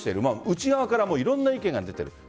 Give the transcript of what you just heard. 内側からいろんな意見が出ている。